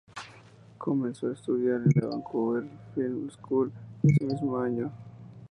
Comenzó a estudiar en la Vancouver Film School ese mismo año.